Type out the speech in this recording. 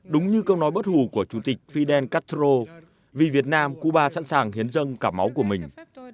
đúng như câu nói bất hù của chủ tịch fidel castro vì việt nam cuba sẵn sàng hiến dâng cả máu của mình